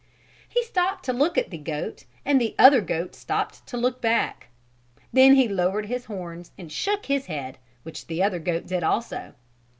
He stopped to look at the goat and the other goat stopped to look back. Then he lowered his horns and shook his head, which the other goat did also.